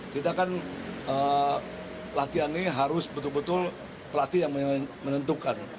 kita kan latihan ini harus betul betul pelatih yang menentukan